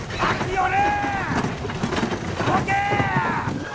寄れ！